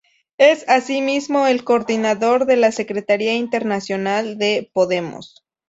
Es asimismo el coordinador de la Secretaría Internacional de Podemos.